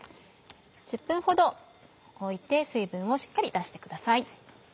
１０分ほど置いて水分をしっかり出してください。